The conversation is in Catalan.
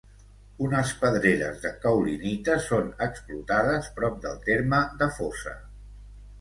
Unes pedreres de caolinita són explotades prop del terme de Fossa.